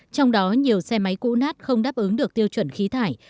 trong đó nhiều xe máy cũ nát không đáp ứng được tiêu chuẩn khí thải